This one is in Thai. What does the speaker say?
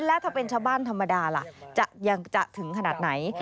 แล้วถ้าเป็นชาวบ้านธรรมดาล่ะจะยังจะถึงขนาดไหน